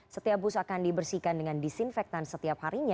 setiap bus akan dibersihkan dengan disinfektan setiap harinya